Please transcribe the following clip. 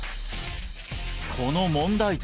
この問題点